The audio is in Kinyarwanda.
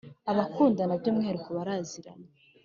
abakundana, byu mwihariko baziranye